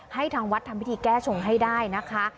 ทางวัดทำพิธีแก้ชงให้ได้นะคะ